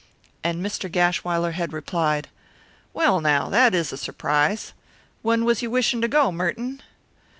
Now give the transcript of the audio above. And Mr. Gashwiler had replied, "Well, now, that is a surprise. When was you wishing to go, Merton?"